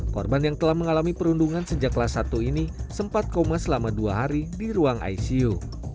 korban yang telah mengalami perundungan sejak kelas satu ini sempat koma selama dua hari di ruang icu